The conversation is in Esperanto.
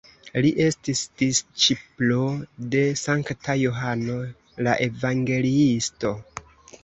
Li estis disĉiplo de Sankta Johano la Evangeliisto.